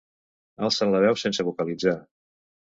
Alcen la veu sense vocalitzar.